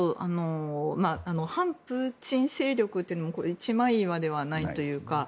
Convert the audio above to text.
反プーチン勢力というのは一枚岩ではないというか